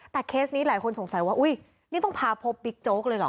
แต่เคสนี้หลายคนสงสัยว่าอุ้ยนี่ต้องพาพบบิ๊กโจ๊กเลยเหรอ